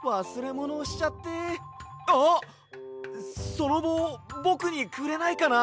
そのぼうぼくにくれないかな？